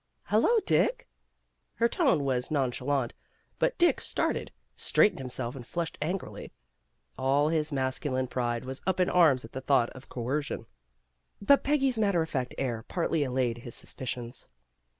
" Hello, Dick!" Her tone was non chalant, but Dick started, straightened himself and .flushed angrily. All his masculine pride was up in arms at the thought of coercion. But Peggy's matter of fact air partly allayed his suspicions.